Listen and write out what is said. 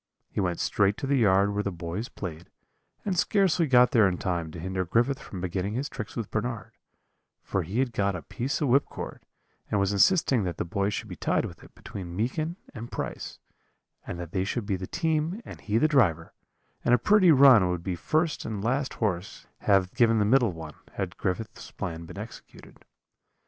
He went straight to the yard where the boys played, and scarcely got there in time to hinder Griffith from beginning his tricks with Bernard, for he had got a piece of whipcord, and was insisting that the boy should be tied with it between Meekin and Price, and that they should be the team and he the driver; and a pretty run would the first and last horse have given the middle one, had Griffith's plan been executed.